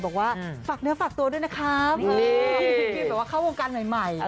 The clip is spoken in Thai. บอกว่าฝากเนื้อฝากตัวด้วยนะครับเห็นไหมว่าเข้าโรงการใหม่